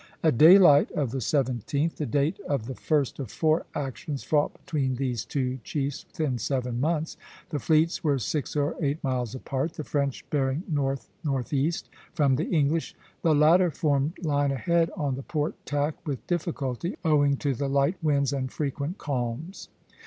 At daylight of the 17th the date of the first of four actions fought between these two chiefs within seven months the fleets were six or eight miles apart, the French bearing north northeast from the English (B, B). The latter formed line ahead on the port tack (a), with difficulty, owing to the light winds and frequent calms.